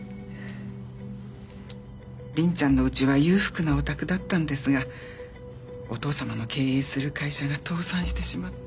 凛ちゃんの家は裕福なお宅だったんですがお父様の経営する会社が倒産してしまって。